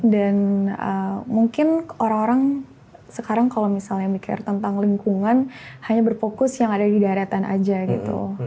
dan mungkin orang orang sekarang kalau misalnya mikir tentang lingkungan hanya berfokus yang ada di daerah tanah aja gitu